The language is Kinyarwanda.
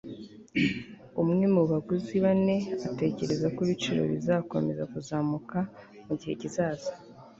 umwe mubaguzi bane atekereza ko ibiciro bizakomeza kuzamuka mugihe kizaza